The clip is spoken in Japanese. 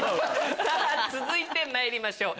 さぁ続いてまいりましょう。